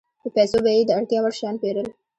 په پیسو به یې د اړتیا وړ شیان پېرل